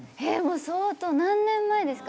相当何年前ですか？